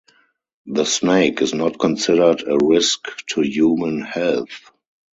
The snake is not considered a risk to human health.